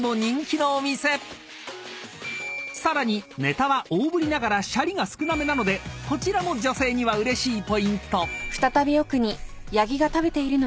［さらにねたは大ぶりながらシャリが少なめなのでこちらも女性にはうれしいポイント］